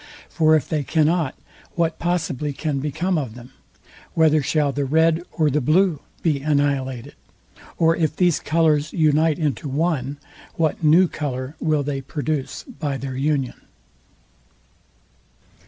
For if they cannot, what possibly can become of them? Whether shall the red or the blue be annihilated? Or if these colours unite into one, what new colour will they produce by their union?